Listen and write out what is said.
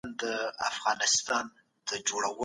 د نظام بقا په وفادارۍ کي ده.